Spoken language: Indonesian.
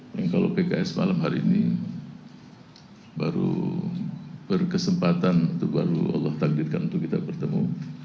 yang kalau pks malam hari ini baru berkesempatan untuk baru allah takdirkan untuk kita bertemu